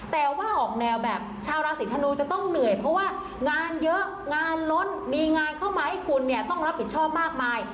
แต่ว่าออกแนวแบบชาวราศีธนูจะต้องเหนื่อยเพราะว่างานเยอะงานล้นมีงานเข้ามาให้คุณเนี่ยต้องรับผิดชอบมากมาย